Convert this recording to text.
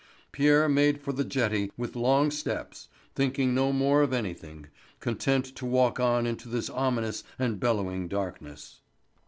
Pierre made for the jetty with long steps, thinking no more of anything, content to walk on into this ominous and bellowing darkness.